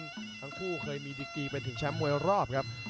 ทั้งคู่เคยมีดีกีเป็นถึงแชมป์มวยรอบครับ